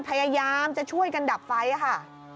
พยายามจะช่วยกันดับไฟค่ะ